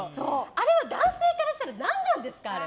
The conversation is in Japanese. あれは男性からしたら何なんですか？